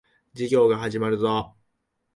授業が始まるぞ。